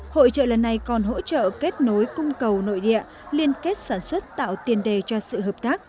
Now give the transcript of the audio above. hội trợ lần này còn hỗ trợ kết nối cung cầu nội địa liên kết sản xuất tạo tiền đề cho sự hợp tác